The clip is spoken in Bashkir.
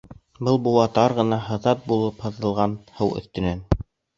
Был быуа тар ғына һыҙат булып һуҙылған һыу өҫтөнән.